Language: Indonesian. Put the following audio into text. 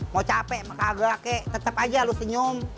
mau capek mau kagak kek tetep aja lo senyum